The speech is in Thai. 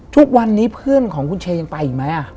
ทุกวันนี้เพื่อนของคุณเชยังไปอีกไหม